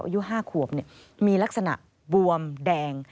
และแจ้งความกับตำรวจให้ดำเนินคดี